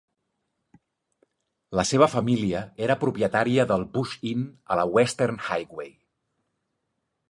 La seva família era propietària del Bush Inn a la Western Highway.